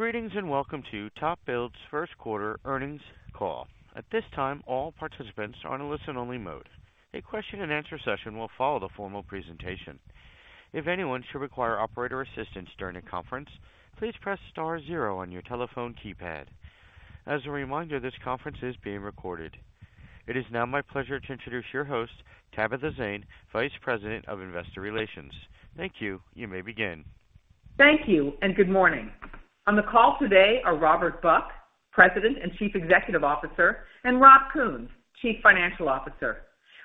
Greetings, and welcome to TopBuild's first quarter earnings call. At this time, all participants are on a listen-only mode. A question-and-answer session will follow the formal presentation. If anyone should require operator assistance during the conference, please press star zero on your telephone keypad. As a reminder, this conference is being recorded. It is now my pleasure to introduce your host, Tabitha Zane, Vice President of Investor Relations. Thank you. You may begin. Thank you, and good morning. On the call today are Robert Buck, President and Chief Executive Officer, and Rob Kuhns, Chief Financial Officer.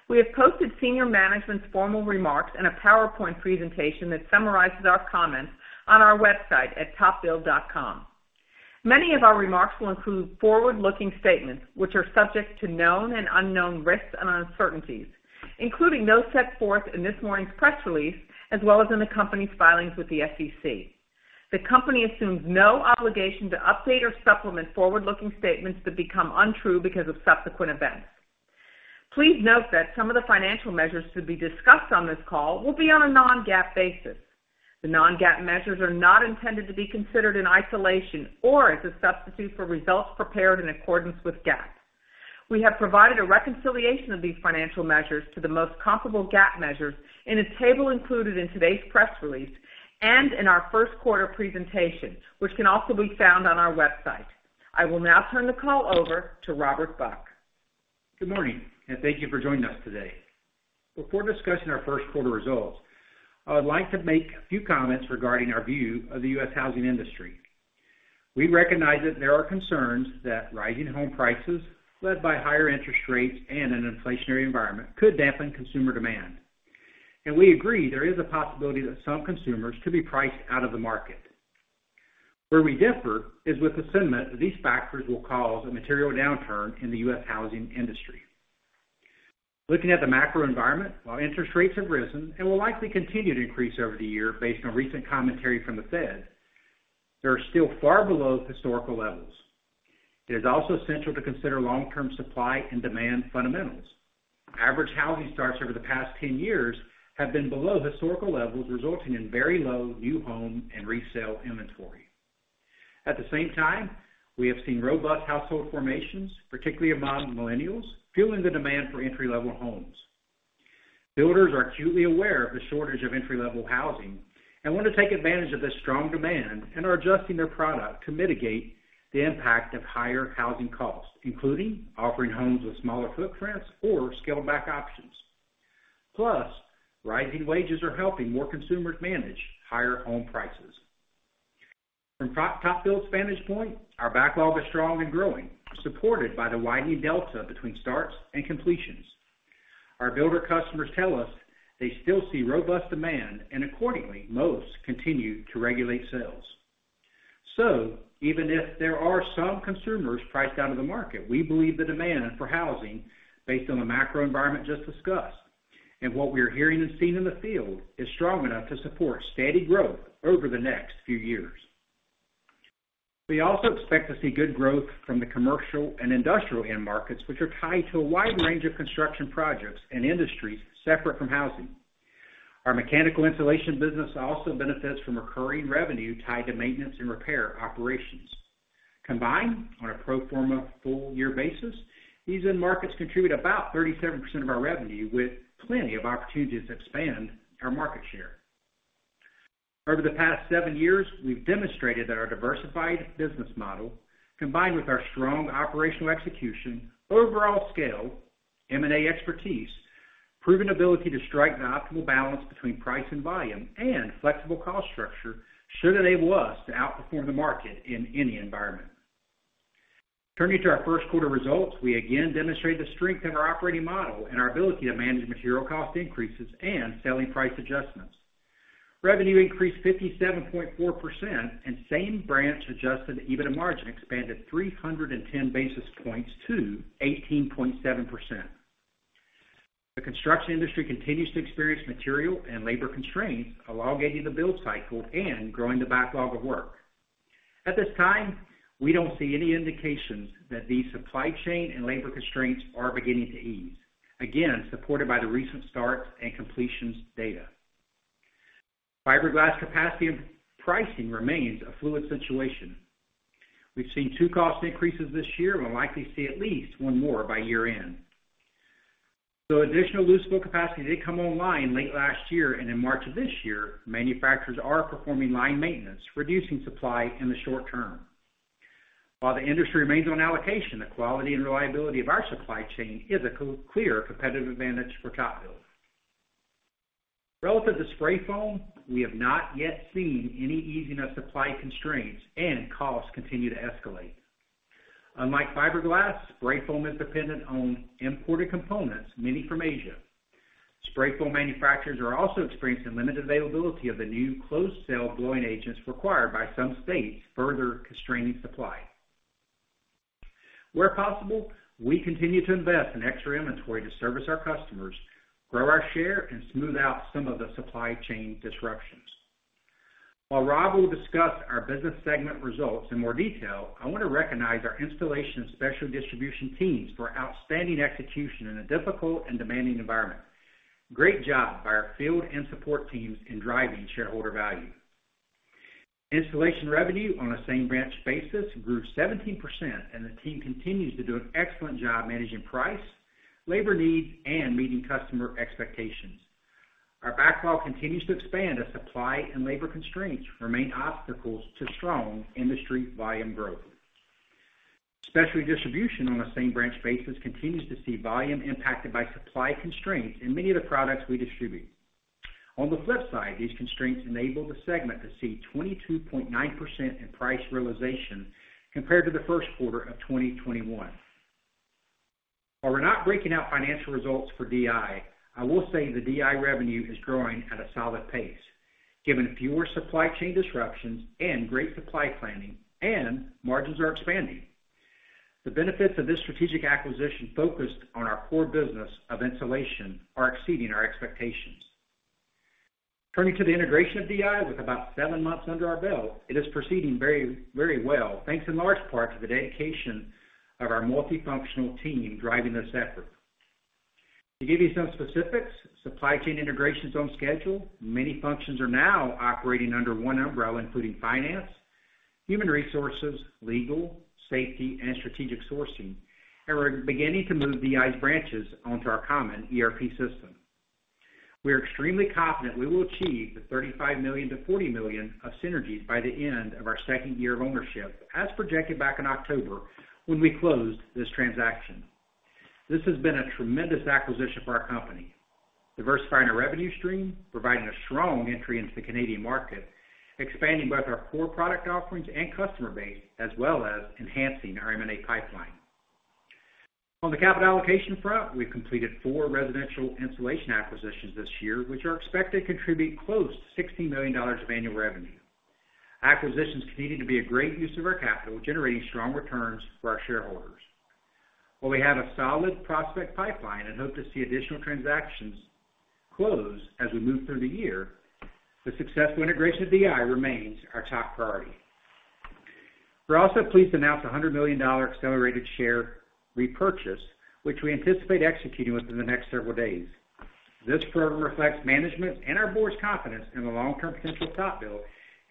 We have posted senior management's formal remarks in a PowerPoint presentation that summarizes our comments on our website at topbuild.com. Many of our remarks will include forward-looking statements, which are subject to known and unknown risks and uncertainties, including those set forth in this morning's press release, as well as in the company's filings with the SEC. The company assumes no obligation to update or supplement forward-looking statements that become untrue because of subsequent events. Please note that some of the financial measures to be discussed on this call will be on a non-GAAP basis. The non-GAAP measures are not intended to be considered in isolation or as a substitute for results prepared in accordance with GAAP. We have provided a reconciliation of these financial measures to the most comparable GAAP measures in a table included in today's press release and in our first quarter presentation, which can also be found on our website. I will now turn the call over to Robert Buck. Good morning, and thank you for joining us today. Before discussing our first quarter results, I would like to make a few comments regarding our view of the U.S. housing industry. We recognize that there are concerns that rising home prices, led by higher interest rates and an inflationary environment, could dampen consumer demand. We agree there is a possibility that some consumers could be priced out of the market. Where we differ is with the sentiment that these factors will cause a material downturn in the U.S. housing industry. Looking at the macro environment, while interest rates have risen and will likely continue to increase over the year based on recent commentary from the Fed, they are still far below historical levels. It is also essential to consider long-term supply and demand fundamentals. Average housing starts over the past 10 years have been below historical levels, resulting in very low new home and resale inventory. At the same time, we have seen robust household formations, particularly among millennials, fueling the demand for entry-level homes. Builders are acutely aware of the shortage of entry-level housing and want to take advantage of this strong demand and are adjusting their product to mitigate the impact of higher housing costs, including offering homes with smaller footprints or scaled-back options. Plus, rising wages are helping more consumers manage higher home prices. From TopBuild's vantage point, our backlog is strong and growing, supported by the widening delta between starts and completions. Our builder customers tell us they still see robust demand, and accordingly, most continue to regulate sales. Even if there are some consumers priced out of the market, we believe the demand for housing based on the macro environment just discussed and what we are hearing and seeing in the field is strong enough to support steady growth over the next few years. We also expect to see good growth from the commercial and industrial end markets, which are tied to a wide range of construction projects and industries separate from housing. Our mechanical insulation business also benefits from recurring revenue tied to maintenance and repair operations. Combined on a pro forma full year basis, these end markets contribute about 37% of our revenue, with plenty of opportunities to expand our market share. Over the past seven years, we've demonstrated that our diversified business model, combined with our strong operational execution, overall scale, M&A expertise, proven ability to strike the optimal balance between price and volume, and flexible cost structure should enable us to outperform the market in any environment. Turning to our first quarter results, we again demonstrate the strength of our operating model and our ability to manage material cost increases and selling price adjustments. Revenue increased 57.4% and same-branch adjusted EBITDA margin expanded 310 basis points to 18.7%. The construction industry continues to experience material and labor constraints, elongating the build cycle and growing the backlog of work. At this time, we don't see any indications that these supply chain and labor constraints are beginning to ease, again, supported by the recent starts and completions data. Fiberglass capacity and pricing remains a fluid situation. We've seen two cost increases this year and will likely see at least one more by year-end. Though additional loose fill capacity did come online late last year and in March of this year, manufacturers are performing line maintenance, reducing supply in the short term. While the industry remains on allocation, the quality and reliability of our supply chain is a clear competitive advantage for TopBuild. Relative to spray foam, we have not yet seen any easing of supply constraints, and costs continue to escalate. Unlike fiberglass, spray foam is dependent on imported components, many from Asia. Spray foam manufacturers are also experiencing limited availability of the new closed cell blowing agents required by some states, further constraining supply. Where possible, we continue to invest in extra inventory to service our customers, grow our share, and smooth out some of the supply chain disruptions. While Rob will discuss our business segment results in more detail, I want to recognize our Installation and Specialty Distribution teams for outstanding execution in a difficult and demanding environment. Great job by our field and support teams in driving shareholder value. Installation revenue on a same branch basis grew 17%, and the team continues to do an excellent job managing price, labor needs, and meeting customer expectations. Our backlog continues to expand as supply and labor constraints remain obstacles to strong industry volume growth. Specialty Distribution on a same branch basis continues to see volume impacted by supply constraints in many of the products we distribute. On the flip side, these constraints enable the segment to see 22.9% in price realization compared to the first quarter of 2021. While we're not breaking out financial results for DI, I will say the DI revenue is growing at a solid pace given fewer supply chain disruptions and great supply planning, and margins are expanding. The benefits of this strategic acquisition focused on our core business of insulation are exceeding our expectations. Turning to the integration of DI, with about seven months under our belt, it is proceeding very, very well, thanks in large part to the dedication of our multifunctional team driving this effort. To give you some specifics, supply chain integration is on schedule. Many functions are now operating under one umbrella, including finance, human resources, legal, safety, and strategic sourcing, and we're beginning to move DI's branches onto our common ERP system. We are extremely confident we will achieve the $35 million-$40 million of synergies by the end of our second year of ownership, as projected back in October when we closed this transaction. This has been a tremendous acquisition for our company, diversifying our revenue stream, providing a strong entry into the Canadian market, expanding both our core product offerings and customer base, as well as enhancing our M&A pipeline. On the capital allocation front, we've completed four residential insulation acquisitions this year, which are expected to contribute close to $60 million of annual revenue. Acquisitions continue to be a great use of our capital, generating strong returns for our shareholders. While we have a solid prospect pipeline and hope to see additional transactions close as we move through the year, the successful integration of DI remains our top priority. We're also pleased to announce a $100 million accelerated share repurchase, which we anticipate executing within the next several days. This program reflects management and our board's confidence in the long-term potential of TopBuild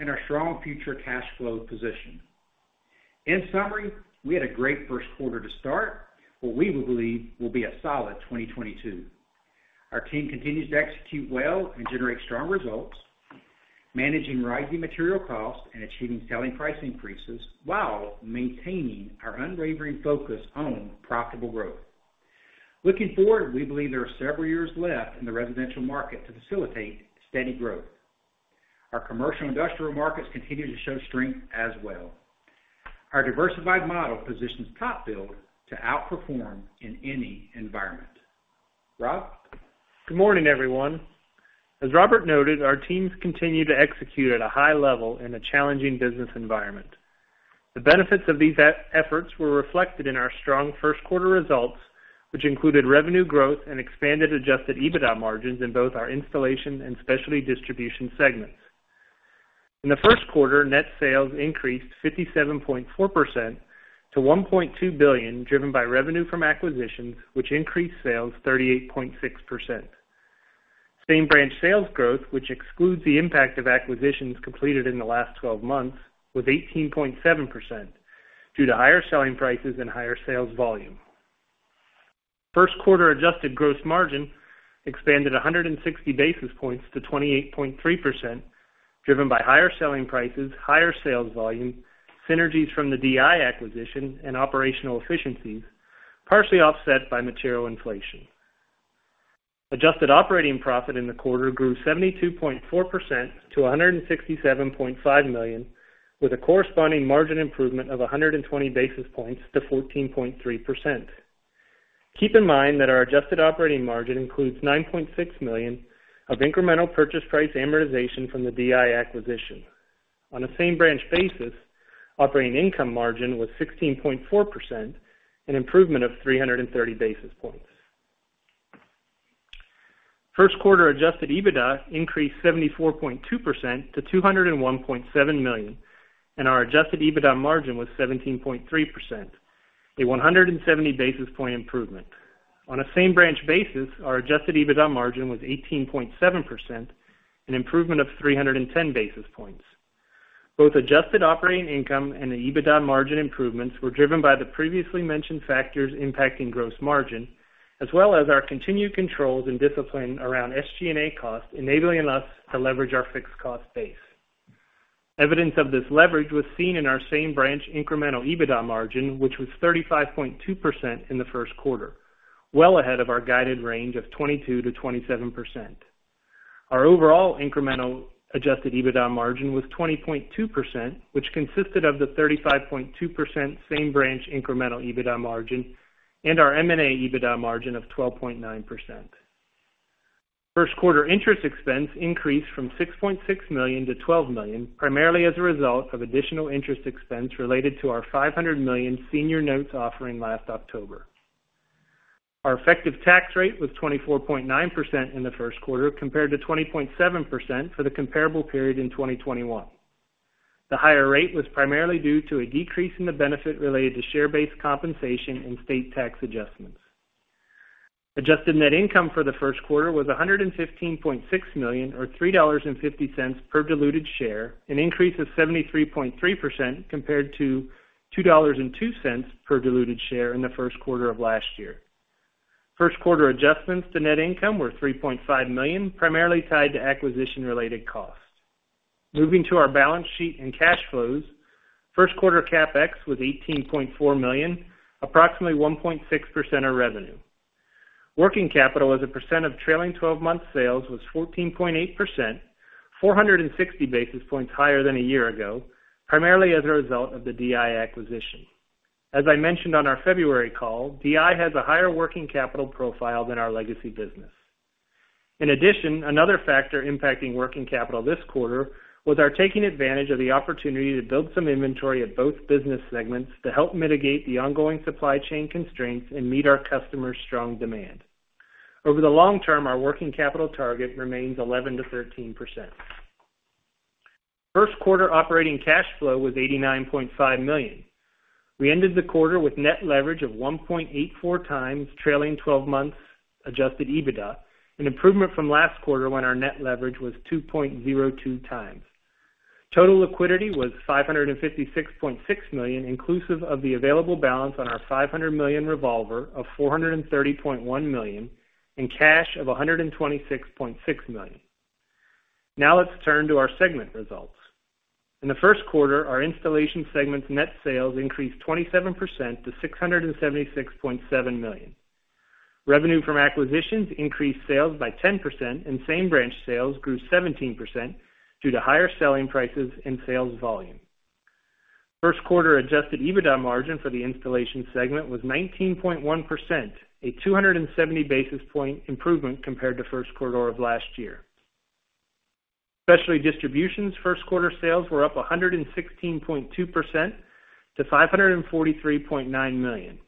and our strong future cash flow position. In summary, we had a great first quarter to start what we believe will be a solid 2022. Our team continues to execute well and generate strong results, managing rising material costs and achieving selling price increases while maintaining our unwavering focus on profitable growth. Looking forward, we believe there are several years left in the residential market to facilitate steady growth. Our commercial industrial markets continue to show strength as well. Our diversified model positions TopBuild to outperform in any environment. Rob? Good morning, everyone. As Robert noted, our teams continue to execute at a high level in a challenging business environment. The benefits of these efforts were reflected in our strong first quarter results, which included revenue growth and expanded adjusted EBITDA margins in both our installation and specialty distribution segments. In the first quarter, net sales increased 57.4% to $1.2 billion, driven by revenue from acquisitions, which increased sales 38.6%. Same branch sales growth, which excludes the impact of acquisitions completed in the last twelve months, was 18.7% due to higher selling prices and higher sales volume. First quarter adjusted gross margin expanded 160 basis points to 28.3%, driven by higher selling prices, higher sales volume, synergies from the DI acquisition and operational efficiencies, partially offset by material inflation. Adjusted operating profit in the quarter grew 72.4% to $167.5 million, with a corresponding margin improvement of 120 basis points to 14.3%. Keep in mind that our adjusted operating margin includes $9.6 million of incremental purchase price amortization from the DI acquisition. On a same branch basis, operating income margin was 16.4%, an improvement of 330 basis points. First quarter adjusted EBITDA increased 74.2% to $201.7 million, and our adjusted EBITDA margin was 17.3%, a 170 basis point improvement. On a same branch basis, our adjusted EBITDA margin was 18.7%, an improvement of 310 basis points. Both adjusted operating income and the EBITDA margin improvements were driven by the previously mentioned factors impacting gross margin, as well as our continued controls and discipline around SG&A costs, enabling us to leverage our fixed cost base. Evidence of this leverage was seen in our same branch incremental EBITDA margin, which was 35.2% in the first quarter, well ahead of our guided range of 22%-27%. Our overall incremental adjusted EBITDA margin was 20.2%, which consisted of the 35.2% same branch incremental EBITDA margin and our M&A EBITDA margin of 12.9%. First quarter interest expense increased from $6.6 million to $12 million, primarily as a result of additional interest expense related to our $500 million senior notes offering last October. Our effective tax rate was 24.9% in the first quarter compared to 20.7% for the comparable period in 2021. The higher rate was primarily due to a decrease in the benefit related to share-based compensation and state tax adjustments. Adjusted net income for the first quarter was $115.6 million, or $3.50 per diluted share, an increase of 73.3% compared to $2.02 per diluted share in the first quarter of last year. First quarter adjustments to net income were $3.5 million, primarily tied to acquisition-related costs. Moving to our balance sheet and cash flows. First quarter CapEx was $18.4 million, approximately 1.6% of revenue. Working capital as a percent of trailing twelve months sales was 14.8%, 460 basis points higher than a year ago, primarily as a result of the DI acquisition. As I mentioned on our February call, DI has a higher working capital profile than our legacy business. In addition, another factor impacting working capital this quarter was our taking advantage of the opportunity to build some inventory at both business segments to help mitigate the ongoing supply chain constraints and meet our customers' strong demand. Over the long term, our working capital target remains 11%-13%. First quarter operating cash flow was $89.5 million. We ended the quarter with net leverage of 1.84x trailing twelve months adjusted EBITDA, an improvement from last quarter when our net leverage was 2.02x. Total liquidity was $556.6 million, inclusive of the available balance on our $500 million revolver of $430.1 million and cash of $126.6 million. Now let's turn to our segment results. In the first quarter, our Installation segment's net sales increased 27% to $676.7 million. Revenue from acquisitions increased sales by 10%, and same branch sales grew 17% due to higher selling prices and sales volume. First quarter adjusted EBITDA margin for the Installation segment was 19.1%, a 270 basis point improvement compared to first quarter of last year. Specialty Distribution's first quarter sales were up 116.2% to $543.9 million.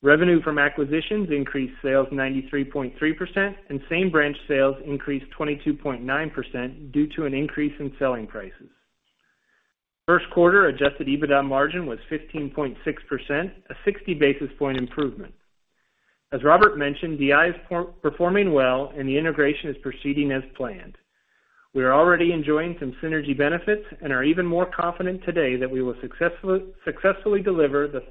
Revenue from acquisitions increased sales 93.3%, and same branch sales increased 22.9% due to an increase in selling prices. First quarter adjusted EBITDA margin was 15.6%, a 60 basis point improvement. As Robert mentioned, DI is performing well and the integration is proceeding as planned. We are already enjoying some synergy benefits and are even more confident today that we will successfully deliver the $35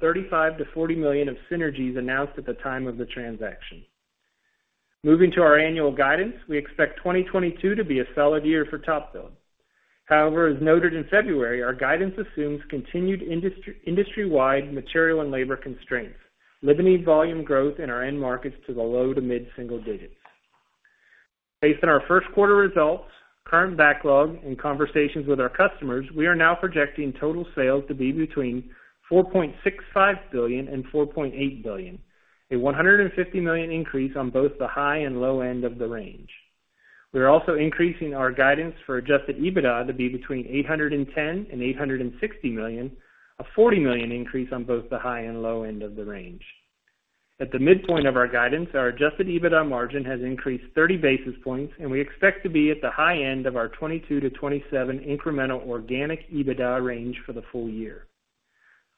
million-$40 million of synergies announced at the time of the transaction. Moving to our annual guidance, we expect 2022 to be a solid year for TopBuild. However, as noted in February, our guidance assumes continued industry-wide material and labor constraints, limiting volume growth in our end markets to the low- to mid-single digits. Based on our first quarter results, current backlog and conversations with our customers, we are now projecting total sales to be between $4.65 billion and $4.8 billion, a $150 million increase on both the high and low end of the range. We are also increasing our guidance for adjusted EBITDA to be between $810 million and $860 million, a $40 million increase on both the high and low end of the range. At the midpoint of our guidance, our adjusted EBITDA margin has increased 30 basis points, and we expect to be at the high end of our 22-27 incremental organic EBITDA range for the full year.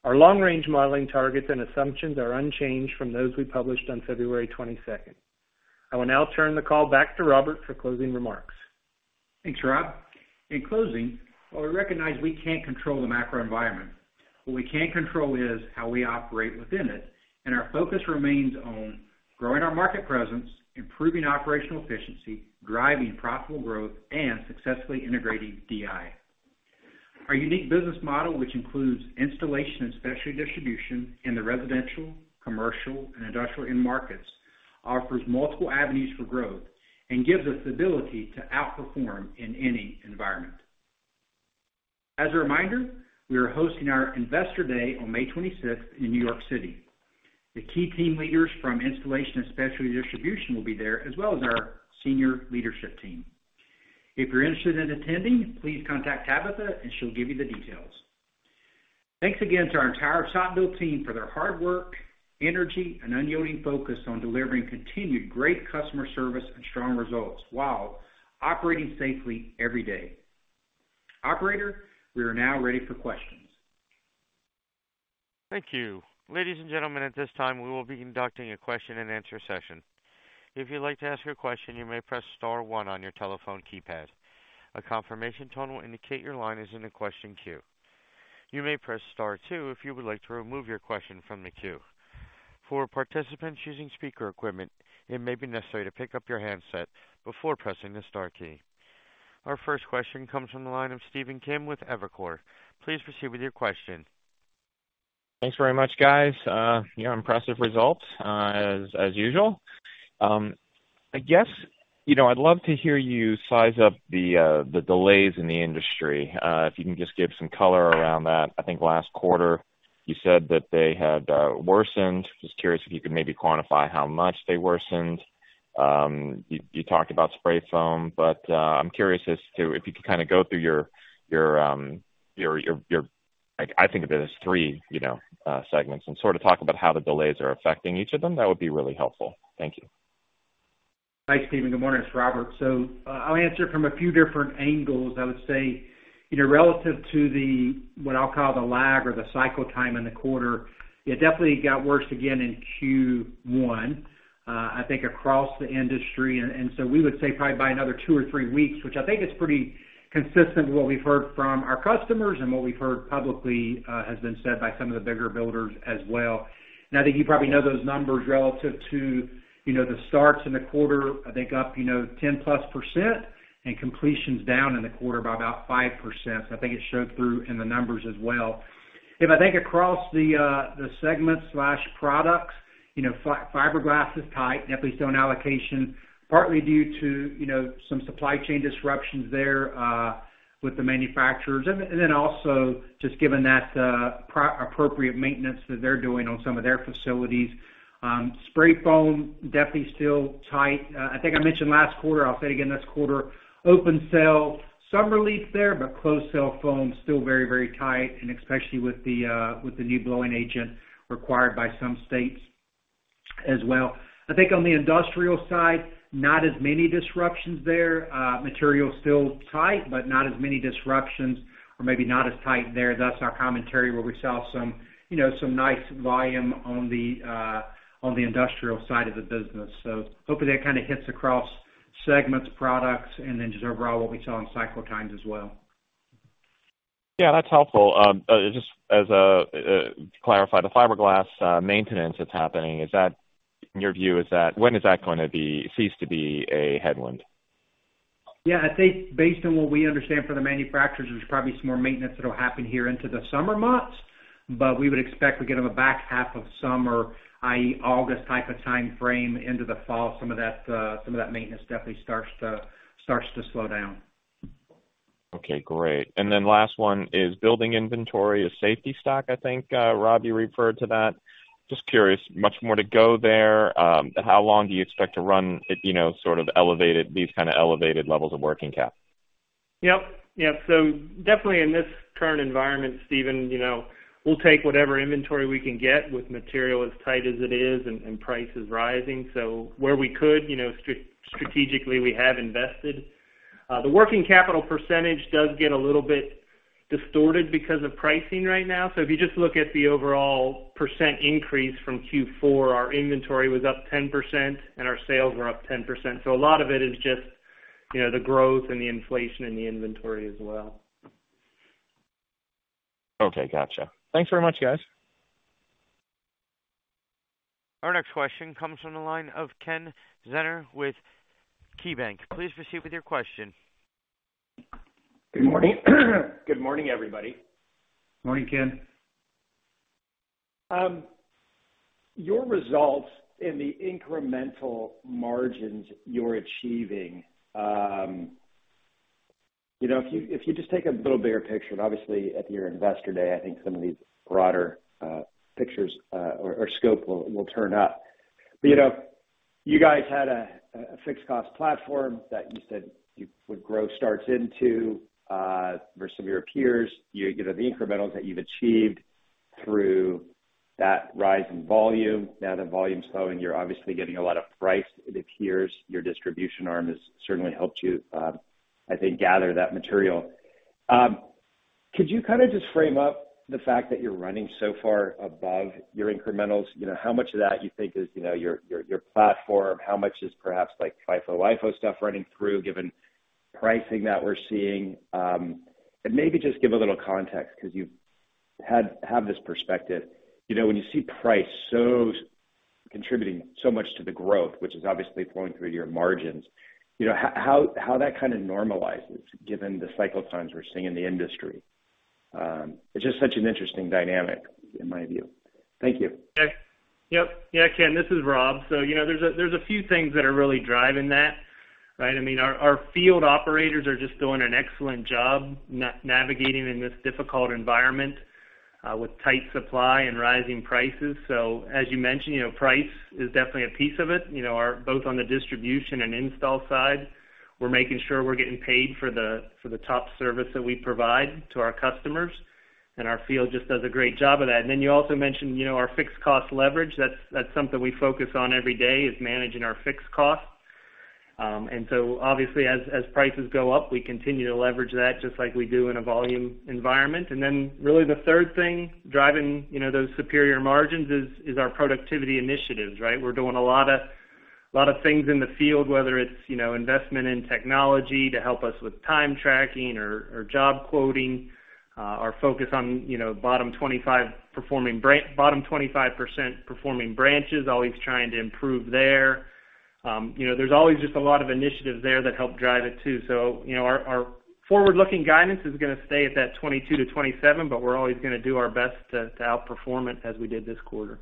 Our long-range modeling targets and assumptions are unchanged from those we published on February 22. I will now turn the call back to Robert for closing remarks. Thanks, Rob. In closing, while we recognize we can't control the macro environment, what we can control is how we operate within it, and our focus remains on growing our market presence, improving operational efficiency, driving profitable growth, and successfully integrating DI. Our unique business model, which includes Installation and Specialty Distribution in the residential, commercial, and industrial end markets, offers multiple avenues for growth and gives us the ability to outperform in any environment. As a reminder, we are hosting our Investor Day on May 26th in New York City. The key team leaders from Installation and Specialty Distribution will be there, as well as our senior leadership team. If you're interested in attending, please contact Tabitha, and she'll give you the details. Thanks again to our entire TopBuild team for their hard work, energy, and unyielding focus on delivering continued great customer service and strong results while operating safely every day. Operator, we are now ready for questions. Thank you. Ladies and gentlemen, at this time, we will be conducting a question-and-answer session. If you'd like to ask a question, you may press star one on your telephone keypad. A confirmation tone will indicate your line is in the question queue. You may press star two if you would like to remove your question from the queue. For participants using speaker equipment, it may be necessary to pick up your handset before pressing the star key. Our first question comes from the line of Stephen Kim with Evercore ISI. Please proceed with your question. Thanks very much, guys. Yeah, impressive results, as usual. I guess, you know, I'd love to hear you size up the delays in the industry. If you can just give some color around that. I think last quarter, you said that they had worsened. Just curious if you could maybe quantify how much they worsened. You talked about spray foam, but I'm curious as to if you could kind of go through your like I think of it as three, you know, segments and sort of talk about how the delays are affecting each of them, that would be really helpful. Thank you. Thanks, Steven. Good morning. It's Robert. I'll answer from a few different angles. I would say, you know, relative to what I'll call the lag or the cycle time in the quarter, it definitely got worse again in Q1, I think across the industry. And so we would say probably by another two or three weeks, which I think is pretty consistent with what we've heard from our customers and what we've heard publicly, has been said by some of the bigger builders as well. Now, I think you probably know those numbers relative to, you know, the starts in the quarter, I think up, you know, 10%+ and completions down in the quarter by about 5%. I think it showed through in the numbers as well. If I think across the segment slash products, you know, fiberglass is tight, definitely still on allocation, partly due to, you know, some supply chain disruptions there with the manufacturers. Also just given that appropriate maintenance that they're doing on some of their facilities. Spray foam, definitely still tight. I think I mentioned last quarter, I'll say it again this quarter. Open cell, some relief there, but closed cell foam, still very, very tight, and especially with the new blowing agent required by some states as well. I think on the industrial side, not as many disruptions there. Material still tight, but not as many disruptions or maybe not as tight there. Thus our commentary where we saw some, you know, some nice volume on the industrial side of the business. Hopefully that kind of hits across segments, products and then just overall what we saw in cycle times as well. Yeah, that's helpful. Just to clarify, the fiberglass maintenance that's happening, in your view, when is that gonna cease to be a headwind? Yeah, I think based on what we understand from the manufacturers, there's probably some more maintenance that'll happen here into the summer months, but we would expect again on the back half of summer, i.e., August type of timeframe into the fall, some of that maintenance definitely starts to slow down. Okay, great. Then last one is building inventory, a safety stock, I think, Rob, you referred to that. Just curious, much more to go there. How long do you expect to run at, you know, sort of elevated, these kind of elevated levels of working cap? Yep. Definitely in this current environment, Stephen, you know, we'll take whatever inventory we can get with material as tight as it is and prices rising. Where we could, you know, strategically, we have invested. The working capital percentage does get a little bit distorted because of pricing right now. If you just look at the overall percent increase from Q4, our inventory was up 10% and our sales were up 10%. A lot of it is just, you know, the growth and the inflation in the inventory as well. Okay, gotcha. Thanks very much, guys. Our next question comes from the line of Ken Zener with KeyBanc. Please proceed with your question. Good morning. Good morning, everybody. Morning, Ken. Your results and the incremental margins you're achieving, you know, if you just take a little bigger picture, and obviously at your Investor Day, I think some of these broader pictures or scope will turn up. You know, you guys had a fixed cost platform that you said you would grow starts into versus some of your peers. You know, the incrementals that you've achieved through that rise in volume. Now that volume's slowing, you're obviously getting a lot of price. It appears your distribution arm has certainly helped you. I think gather that material. Could you kind of just frame up the fact that you're running so far above your incrementals? You know, how much of that you think is, you know, your platform? How much is perhaps like FIFO, LIFO stuff running through given pricing that we're seeing? Maybe just give a little context because you have this perspective. You know, when you see price contributing so much to the growth, which is obviously flowing through to your margins, you know, how that kind of normalizes given the cycle times we're seeing in the industry? It's just such an interesting dynamic in my view. Thank you. Yep. Yeah, Ken, this is Rob. You know, there's a few things that are really driving that, right? I mean, our field operators are just doing an excellent job navigating in this difficult environment with tight supply and rising prices. As you mentioned, you know, price is definitely a piece of it. You know, both on the distribution and install side, we're making sure we're getting paid for the top service that we provide to our customers, and our field just does a great job of that. Then you also mentioned, you know, our fixed cost leverage. That's something we focus on every day is managing our fixed costs. Obviously, as prices go up, we continue to leverage that just like we do in a volume environment. Really the third thing driving, you know, those superior margins is our productivity initiatives, right? We're doing a lot of things in the field, whether it's, you know, investment in technology to help us with time tracking or job quoting, our focus on, you know, bottom 25% performing branches, always trying to improve there. You know, there's always just a lot of initiatives there that help drive it too. You know, our forward-looking guidance is gonna stay at that 22%-27%, but we're always gonna do our best to outperform it as we did this quarter.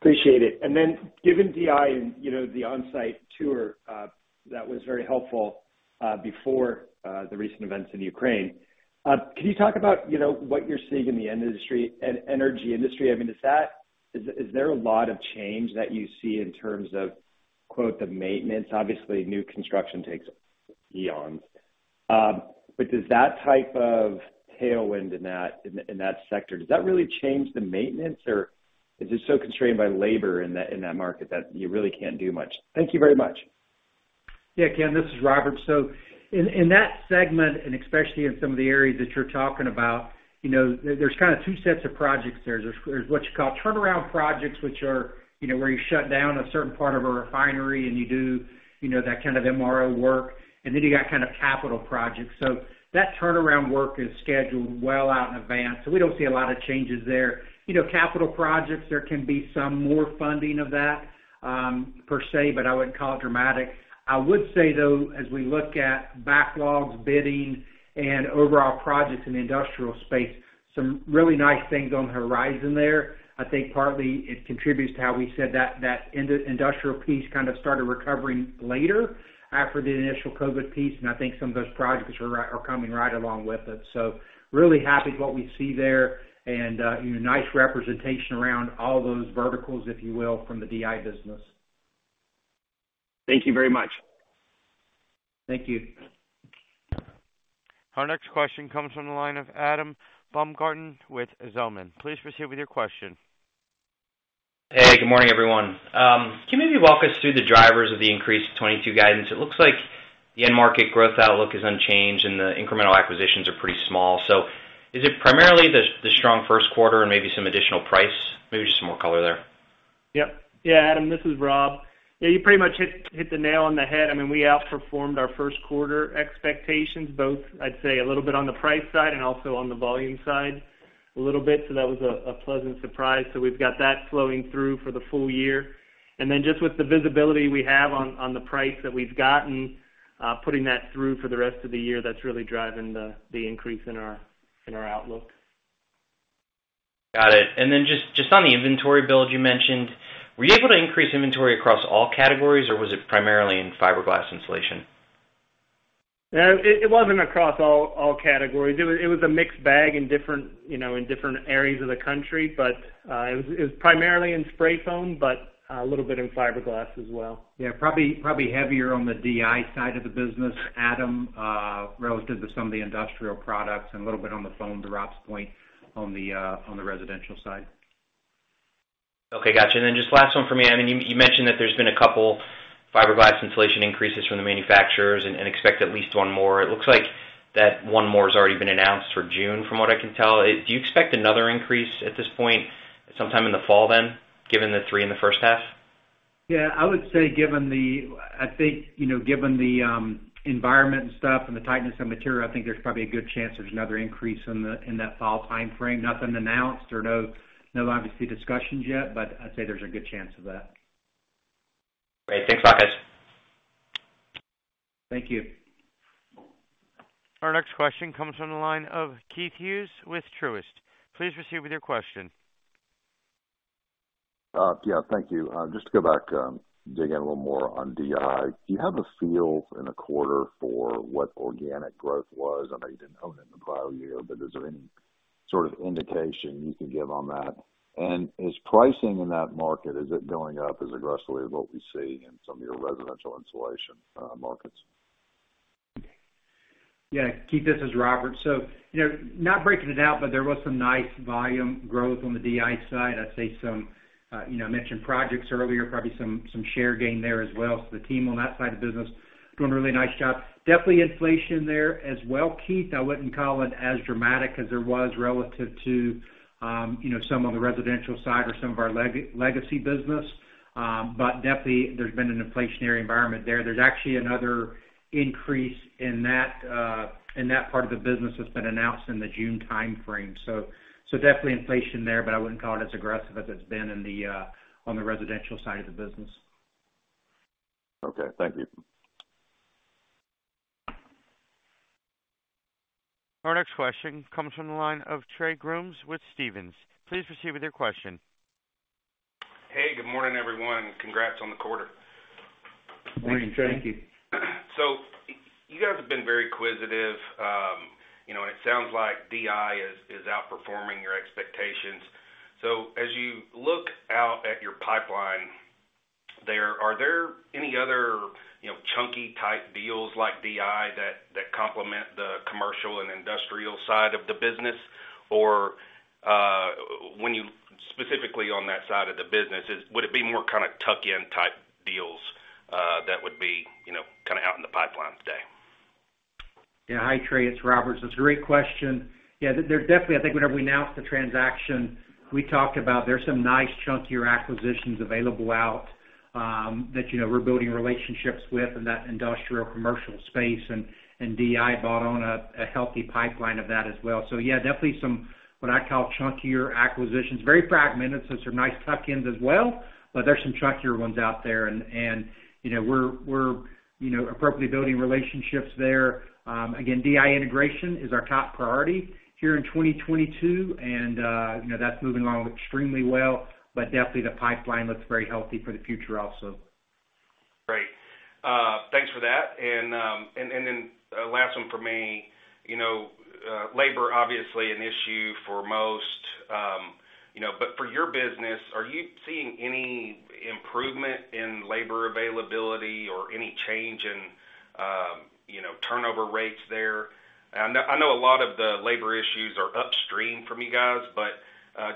Appreciate it. Given DI and, you know, the on-site tour, that was very helpful before the recent events in Ukraine, can you talk about, you know, what you're seeing in the energy industry? I mean, is there a lot of change that you see in terms of, quote, "the maintenance"? Obviously, new construction takes- Does that type of tailwind in that sector really change the maintenance or is it so constrained by labor in that market that you really can't do much? Thank you very much. Yeah, Ken, this is Robert. In that segment, and especially in some of the areas that you're talking about, you know, there's kind of two sets of projects there. There's what you call turnaround projects, which are, you know, where you shut down a certain part of a refinery and you do, you know, that kind of MRO work, and then you got kind of capital projects. That turnaround work is scheduled well out in advance, so we don't see a lot of changes there. You know, capital projects, there can be some more funding of that, per se, but I wouldn't call it dramatic. I would say though, as we look at backlogs, bidding and overall projects in the industrial space, some really nice things on the horizon there. I think partly it contributes to how we said that industrial piece kind of started recovering later after the initial COVID piece, and I think some of those projects are coming right along with it. Really happy with what we see there and, you know, nice representation around all those verticals, if you will, from the DI business. Thank you very much. Thank you. Our next question comes from the line of Adam Baumgarten with Zelman. Please proceed with your question. Hey, good morning, everyone. Can you maybe walk us through the drivers of the increased 2022 guidance? It looks like the end market growth outlook is unchanged and the incremental acquisitions are pretty small. Is it primarily the strong first quarter and maybe some additional price? Maybe just some more color there. Yep. Yeah, Adam, this is Rob. Yeah, you pretty much hit the nail on the head. I mean, we outperformed our first quarter expectations both, I'd say a little bit on the price side and also on the volume side a little bit. That was a pleasant surprise. We've got that flowing through for the full year. Then just with the visibility we have on the price that we've gotten, putting that through for the rest of the year, that's really driving the increase in our outlook. Got it. Just on the inventory build you mentioned, were you able to increase inventory across all categories or was it primarily in fiberglass insulation? No, it wasn't across all categories. It was a mixed bag in different, you know, in different areas of the country. It was primarily in spray foam, but a little bit in fiberglass as well. Yeah, probably heavier on the DI side of the business, Adam, relative to some of the industrial products and a little bit on the foam, to Rob's point, on the residential side. Okay. Gotcha. Just last one for me. I mean, you mentioned that there's been a couple fiberglass insulation increases from the manufacturers and expect at least one more. It looks like that one more has already been announced for June from what I can tell. Do you expect another increase at this point sometime in the fall then, given the three in the first half? Yeah. I would say, I think, you know, given the environment and stuff and the tightness of material, I think there's probably a good chance there's another increase in that fall timeframe. Nothing announced or no obviously discussions yet, but I'd say there's a good chance of that. Great. Thanks, Rob. Thank you. Our next question comes from the line of Keith Hughes with Truist. Please proceed with your question. Yeah, thank you. Just to go back, dig in a little more on DI. Do you have a feel in the quarter for what organic growth was? I know you didn't own it in the prior year, but is there any sort of indication you can give on that? Is pricing in that market, is it going up as aggressively as what we see in some of your residential insulation markets? Yeah. Keith, this is Robert. You know, not breaking it out, but there was some nice volume growth on the DI side. I'd say some, you know, I mentioned projects earlier, probably some share gain there as well. The team on that side of the business doing a really nice job. Definitely inflation there as well, Keith. I wouldn't call it as dramatic as there was relative to, you know, some on the residential side or some of our legacy business. Definitely there's been an inflationary environment there. There's actually another increase in that part of the business that's been announced in the June timeframe. Definitely inflation there, but I wouldn't call it as aggressive as it's been on the residential side of the business. Okay. Thank you. Our next question comes from the line of Trey Grooms with Stephens. Please proceed with your question. Hey, good morning, everyone. Congrats on the quarter. Morning, Trey. Thank you. You guys have been very acquisitive. You know, it sounds like DI is outperforming your expectations. As you look out at your pipeline there, are there any other, you know, chunky type deals like DI that complement the commercial and industrial side of the business? Or, when you specifically on that side of the business is would it be more kind of tuck-in type deals, that would be, you know, kind of out in the pipeline today? Yeah. Hi, Trey. It's Robert. It's a great question. Yeah. There definitely I think whenever we announced the transaction, we talked about there's some nice chunkier acquisitions available out there, you know, we're building relationships with in that industrial and commercial space and DI brought on a healthy pipeline of that as well. Yeah, definitely some what I call chunkier acquisitions, very fragmented, so some nice tuck-ins as well, but there's some chunkier ones out there and you know we're appropriately building relationships there. Again, DI integration is our top priority here in 2022 and you know that's moving along extremely well, but definitely the pipeline looks very healthy for the future also. Great. Thanks for that. You know, labor obviously an issue for most, you know, but for your business, are you seeing any improvement in labor availability or any change in, you know, turnover rates there? I know a lot of the labor issues are upstream from you guys, but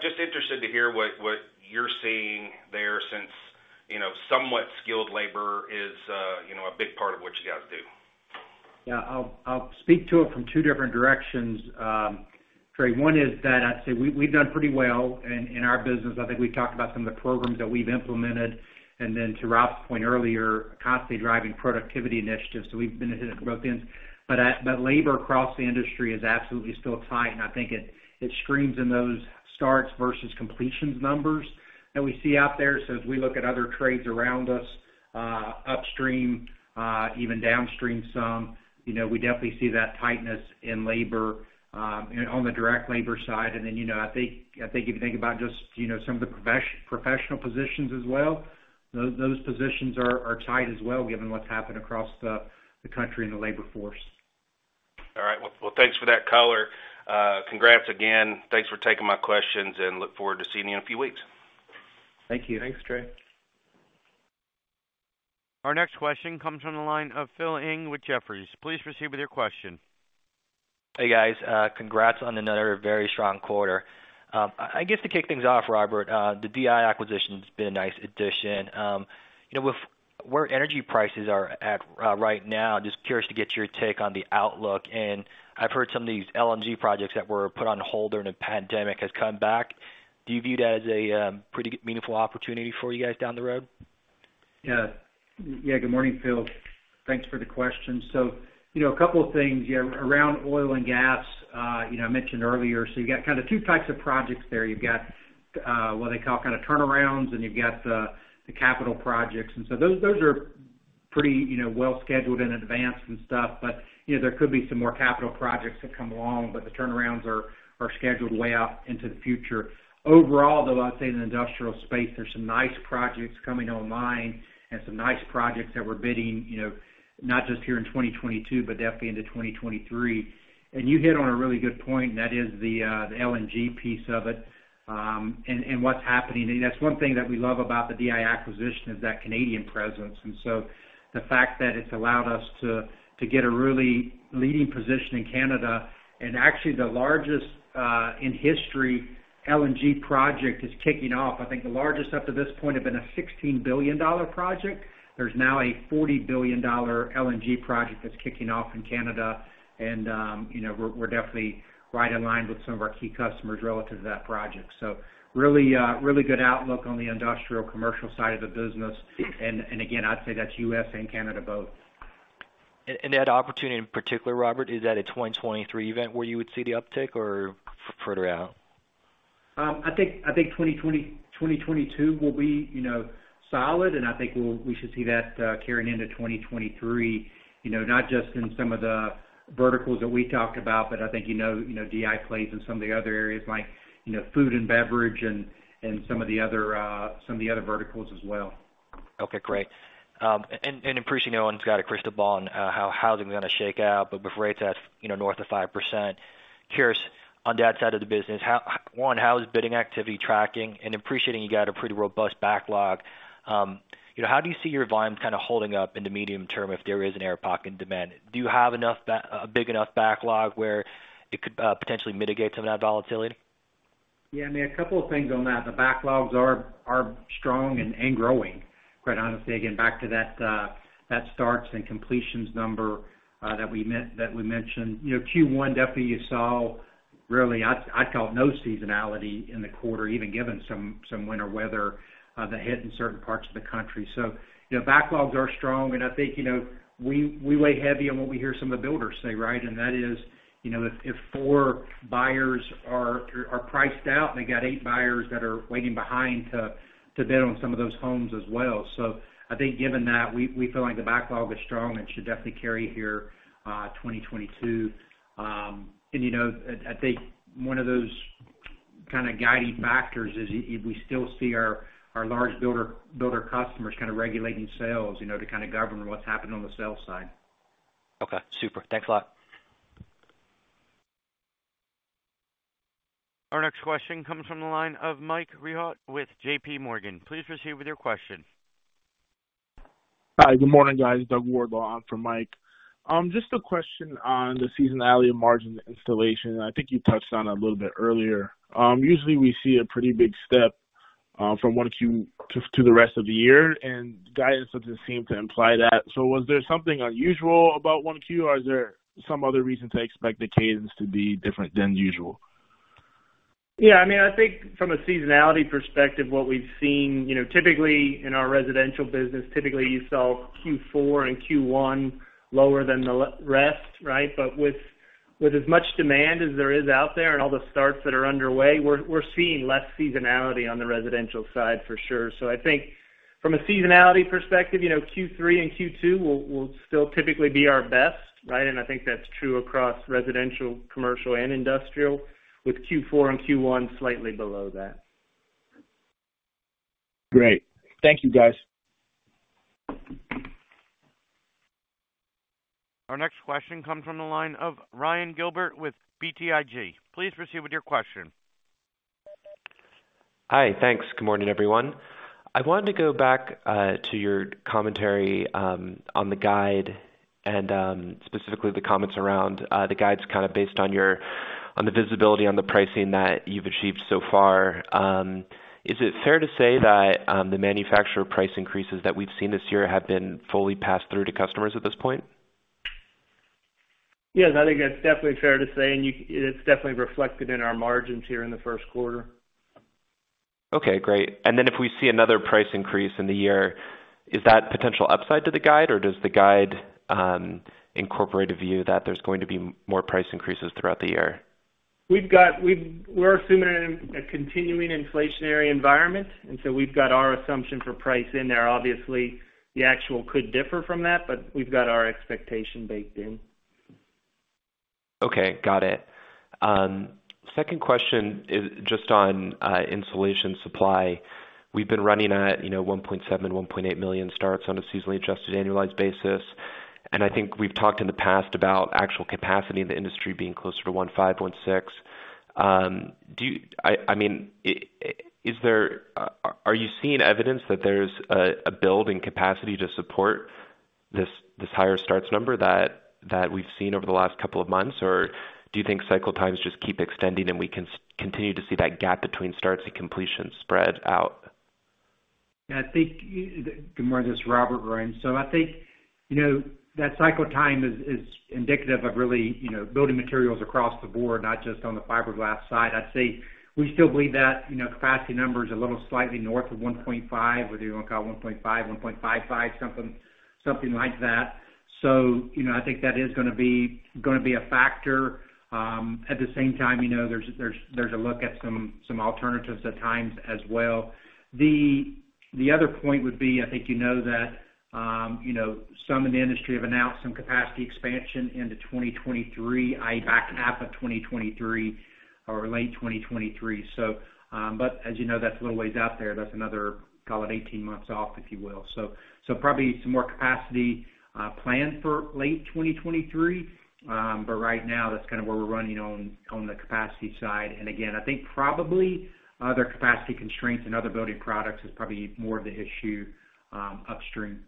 just interested to hear what you're seeing there since, you know, somewhat skilled labor is, you know, a big part of what you guys do. Yeah. I'll speak to it from two different directions, Trey. One is that I'd say we've done pretty well in our business. I think we talked about some of the programs that we've implemented, and then to Rob's point earlier, constantly driving productivity initiatives. We've been hitting it at both ends. Labor across the industry is absolutely still tight, and I think it screams in those starts versus completions numbers that we see out there. As we look at other trades around us, upstream, even downstream some, you know, we definitely see that tightness in labor on the direct labor side. You know, I think if you think about just, you know, some of the professional positions as well, those positions are tight as well, given what's happened across the country and the labor force. All right. Well, thanks for that color. Congrats again. Thanks for taking my questions and look forward to seeing you in a few weeks. Thank you. Thanks, Trey. Our next question comes from the line of Phil Ng with Jefferies. Please proceed with your question. Hey, guys. Congrats on another very strong quarter. I guess to kick things off, Robert, the DI acquisition's been a nice addition. You know, with where energy prices are at right now, just curious to get your take on the outlook. I've heard some of these LNG projects that were put on hold during the pandemic has come back. Do you view that as a pretty meaningful opportunity for you guys down the road? Good morning, Phil. Thanks for the question. You know, a couple of things. Around oil and gas, you know, I mentioned earlier, so you got kind of two types of projects there. You've got what they call kind of turnarounds, and you've got the capital projects. Those are pretty, you know, well scheduled in advance and stuff. You know, there could be some more capital projects that come along, but the turnarounds are scheduled way out into the future. Overall, though, I'd say in the industrial space, there's some nice projects coming online and some nice projects that we're bidding, you know, not just here in 2022, but definitely into 2023. You hit on a really good point, and that is the LNG piece of it, and what's happening. That's one thing that we love about the DI acquisition is that Canadian presence. The fact that it's allowed us to get a really leading position in Canada. Actually the largest in history LNG project is kicking off. I think the largest up to this point had been a $16 billion project. There's now a $40 billion LNG project that's kicking off in Canada. You know, we're definitely right in line with some of our key customers relative to that project. Really good outlook on the industrial commercial side of the business. Again, I'd say that's U.S. and Canada both. That opportunity in particular, Robert, is that a 2023 event where you would see the uptick or further out? I think 2022 will be, you know, solid, and I think we should see that carrying into 2023, you know, not just in some of the verticals that we talked about, but I think, you know, you know, DI plays in some of the other areas like, you know, food and beverage and some of the other verticals as well. Okay, great. And appreciating no one's got a crystal ball on how housing is gonna shake out, but with rates at, you know, north of 5%, curious on that side of the business, how is bidding activity tracking? Appreciating you got a pretty robust backlog, you know, how do you see your volume kind of holding up in the medium term if there is an air pocket in demand? Do you have a big enough backlog where it could potentially mitigate some of that volatility? Yeah, I mean, a couple of things on that. The backlogs are strong and growing, quite honestly. Again, back to that starts and completions number that we mentioned. You know, Q1 definitely you saw really. I'd call it no seasonality in the quarter, even given some winter weather that hit in certain parts of the country. You know, backlogs are strong. I think, you know, we weigh heavy on what we hear some of the builders say, right? That is, you know, if four buyers are priced out and they got eight buyers that are waiting behind to bid on some of those homes as well. I think given that, we feel like the backlog is strong and should definitely carry here, 2022. You know, I think one of those kind of guiding factors is if we still see our large builder customers kind of regulating sales, you know, to kind of govern what's happening on the sales side. Okay, super. Thanks a lot. Our next question comes from the line of Mike Rehaut with JPMorgan. Please proceed with your question. Hi, good morning, guys. Doug Wardlaw on for Mike. Just a question on the seasonality of margin installation. I think you touched on it a little bit earlier. Usually we see a pretty big step from 1Q to the rest of the year, and guidance doesn't seem to imply that. Was there something unusual about 1Q, or is there some other reason to expect the cadence to be different than usual? Yeah. I mean, I think from a seasonality perspective, what we've seen, you know, typically in our residential business, typically you saw Q4 and Q1 lower than the rest, right? With as much demand as there is out there and all the starts that are underway, we're seeing less seasonality on the residential side for sure. I think from a seasonality perspective, you know, Q3 and Q2 will still typically be our best, right? I think that's true across residential, commercial, and industrial, with Q4 and Q1 slightly below that. Great. Thank you, guys. Our next question comes from the line of Ryan Gilbert with BTIG. Please proceed with your question. Hi. Thanks. Good morning, everyone. I wanted to go back to your commentary on the guide and specifically the comments around the guides kind of based on your visibility on the pricing that you've achieved so far. Is it fair to say that the manufacturer price increases that we've seen this year have been fully passed through to customers at this point? Yes, I think that's definitely fair to say, and it's definitely reflected in our margins here in the first quarter. Okay, great. If we see another price increase in the year, is that potential upside to the guide, or does the guide incorporate a view that there's going to be more price increases throughout the year? We're assuming a continuing inflationary environment, and so we've got our assumption for price in there. Obviously, the actual could differ from that, but we've got our expectation baked in. Okay, got it. Second question is just on insulation supply. We've been running at, you know, 1.7, 1.8 million starts on a seasonally adjusted annualized basis. I think we've talked in the past about actual capacity in the industry being closer to 1.5, 1.6. Do you mean, is there evidence that there's a building capacity to support this higher starts number that we've seen over the last couple of months? Or do you think cycle times just keep extending and we can continue to see that gap between starts and completions spread out? Good morning. This is Robert, Ryan. I think, you know, that cycle time is indicative of really, you know, building materials across the board, not just on the fiberglass side. I'd say we still believe that, you know, capacity number is a little slightly north of 1.5, whether you wanna call it 1.5, 1.55, something like that. I think that is gonna be a factor. At the same time, you know, there's a look at some alternatives at times as well. The other point would be, I think you know that, you know, some in the industry have announced some capacity expansion into 2023, in the back half of 2023 or late 2023. But as you know, that's a little ways out there. That's another, call it 18 months off, if you will. Probably some more capacity planned for late 2023. Right now that's kind of where we're running on the capacity side. Again, I think probably other capacity constraints and other building products is probably more of the issue, upstream.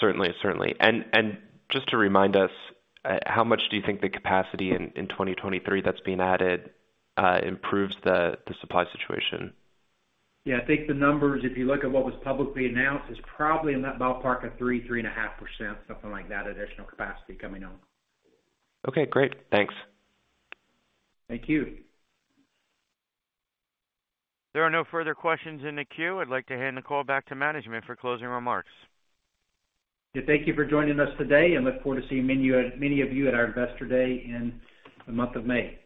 Certainly, certainly. Just to remind us, how much do you think the capacity in 2023 that's being added improves the supply situation? Yeah, I think the numbers, if you look at what was publicly announced, is probably in that ballpark of 3%-3.5%, something like that, additional capacity coming on. Okay, great. Thanks. Thank you. There are no further questions in the queue. I'd like to hand the call back to management for closing remarks. Thank you for joining us today, and look forward to seeing many of you at our Investor Day in the month of May.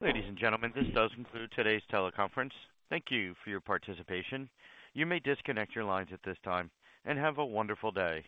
Ladies and gentlemen, this does conclude today's teleconference. Thank you for your participation. You may disconnect your lines at this time, and have a wonderful day.